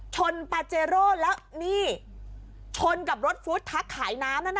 ปาเจโร่แล้วนี่ชนกับรถฟู้ดทักขายน้ำนั่นน่ะ